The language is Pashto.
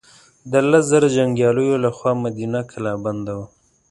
د لس زره جنګیالیو له خوا مدینه کلا بنده وه.